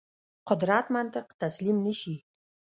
قدرت منطق تسلیم نه شي.